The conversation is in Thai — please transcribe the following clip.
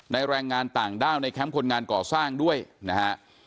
แรงงานต่างด้าวในแคมป์คนงานก่อสร้างด้วยนะฮะ